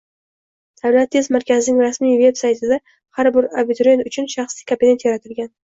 Davlat test markazining rasmiy veb-saytida har bir abituriyent uchun shaxsiy kabinet yaratilgan.